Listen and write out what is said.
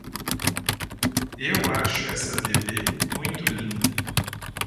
Eu acho essa bebê muito linda!